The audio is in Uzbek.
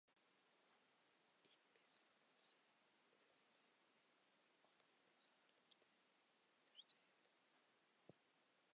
• It bezor bo‘lsa uvillaydi, odam bezorlikda tirjayadi.